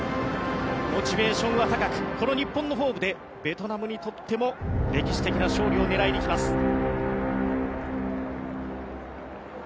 モチベーションは高くこの日本のホームでベトナムにとっても歴史的な勝利を狙いに来ます。